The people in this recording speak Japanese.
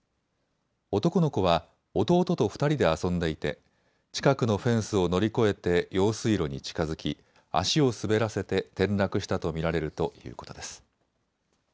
男の子は弟と２人で遊んでいて近くのフェンスを乗り越えて用水路に近づき足を滑らせて転落したと見られるということです。